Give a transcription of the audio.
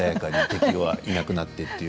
敵はいなくなって。